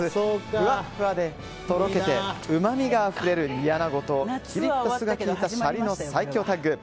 ふわっふわでとろけてうまみがあふれる煮穴子ときりっと酢が効いたシャリの最強タッグ！